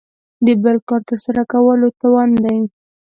د بل کار تر سره کولو توان دی.